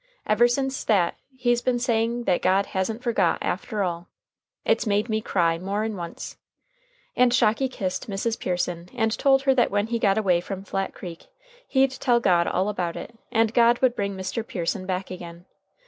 Ever since that he's been saying that God hasn't forgot, after all. It's made me cry more'n once." And Shocky kissed Mrs. Pearson, and told her that when he got away from Flat Creek he'd tell God all about it, and God would bring Mr. Pearson back again.